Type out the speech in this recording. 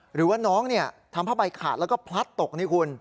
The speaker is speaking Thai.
หรือว่าน้องทำผ้าใบขาดแล้วก็พลัดตกนี่คุณ